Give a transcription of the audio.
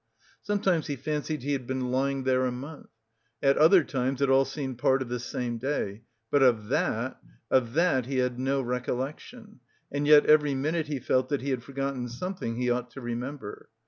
Sometimes he fancied he had been lying there a month; at other times it all seemed part of the same day. But of that of that he had no recollection, and yet every minute he felt that he had forgotten something he ought to remember.